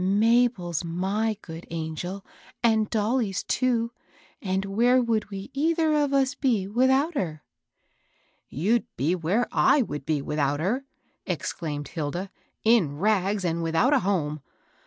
" Mabel's my good angel, and Dolly's too. And where would we either of us be without her ?"" You'd be where /would be without her," ex claimed Hilda, — "in rags and without a home!